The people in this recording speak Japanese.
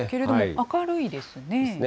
明るいですね。